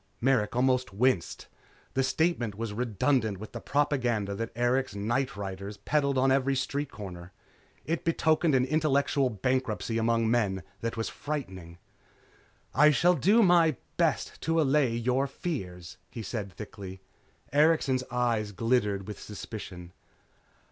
Merrick almost winced. The statement was redundant with the propaganda that Erikson's nightriders peddled on every street corner. It betokened an intellectual bankruptcy among men that was frightening. "I shall do my best to allay your fears," he said thickly. Erikson's eyes glittered with suspicion.